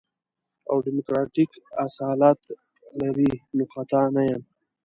او ديموکراتيک اصالت لري نو خطا نه يم.